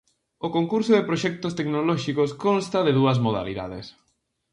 O Concurso de Proxectos Tecnolóxicos consta de dúas modalidades.